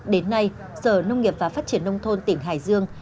đến nay sở nông nghiệp và phát triển nông thôn tỉnh hải dương